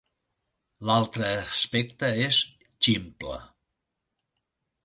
L'altre aspecte és 'Ximple'.